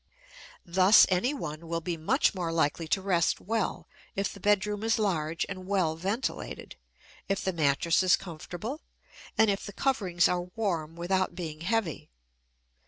Thus anyone will be much more likely to rest well if the bed room is large and well ventilated, if the mattress is comfortable, and if the coverings are warm without being heavy.